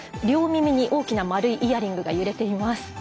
両耳に大きな丸いイヤリングが揺れています。